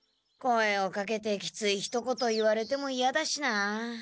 声をかけてきついひと言言われてもいやだしなあ。